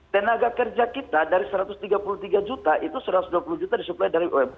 tenaga kerja kita dari rp satu ratus tiga puluh tiga juta itu rp satu ratus dua puluh juta di sekolah